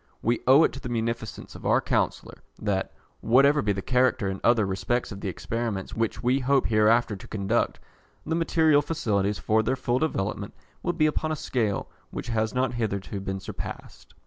We owe it to the munificence of our Chancellor, that, whatever be the character in other respects of the experiments which we hope hereafter to conduct, the material facilities for their full development will be upon a scale which has not hitherto been surpassed.